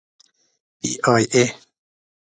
پی ای اې.